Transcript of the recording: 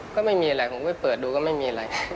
ก็ไม่มีอะไรผมก็ไปเปิดดูก็ไม่มีอะไร